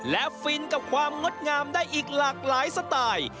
และฟินกับความงดงามได้อีกหลากหลายสไตล์